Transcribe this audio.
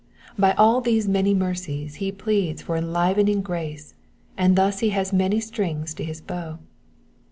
By all these many mercies he pleads for enlivening grace, and thus he has many strings to his bow.